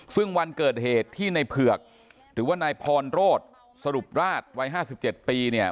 ซึ่งวันเกิดเหตุที่ในเผือกหรือว่านายพรโรธสรุปราชวัย๕๗ปีเนี่ย